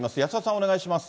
お願いします。